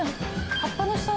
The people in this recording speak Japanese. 葉っぱの下。